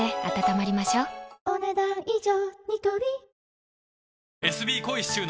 お、ねだん以上。